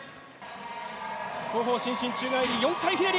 後方伸身宙返り４回ひねり。